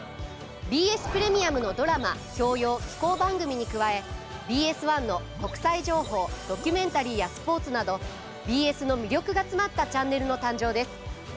ＢＳプレミアムのドラマ教養紀行番組に加えＢＳ１の国際情報ドキュメンタリーやスポーツなどＢＳの魅力が詰まったチャンネルの誕生です。